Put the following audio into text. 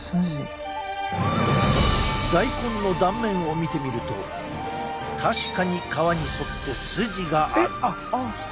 大根の断面を見てみると確かに皮に沿って筋がある。